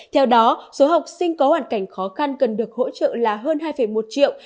theo đó số học sinh có hoàn cảnh khó khăn cần được hỗ trợ là hơn hai một triệu